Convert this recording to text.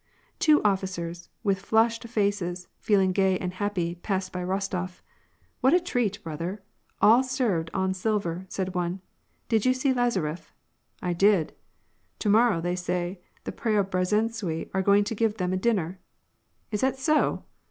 Two officers, with flushed faces, feeling gay and happy, passed by Rostof. " What a treat, brother ! All served on sil ver !" said one. " Did you see Lazaref ?" "Idid!" " To morrow, they say, the Preobrazhentsui are going tagive them a dinner." " Is that so